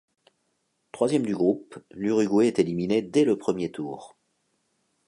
Troisième du groupe, l'Uruguay est éliminée dès le premier tour.